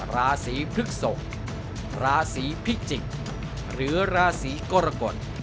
ราศีพฤกษกราศีพิจิกษ์หรือราศีกรกฎ